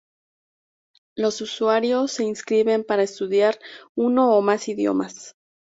Los usuarios se inscriben para estudiar uno o más idiomas.